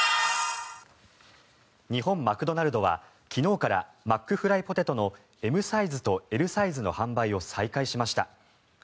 日本マクドナルドは昨日からマックフライポテトのＭサイズとＬサイズの販売を再開しました。